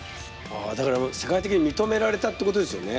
だから世界的に認められたってことですよね。